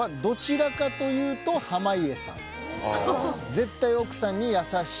絶対奥さんに優しい。